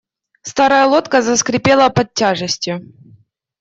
Старая лодка заскрипела под тяжестью.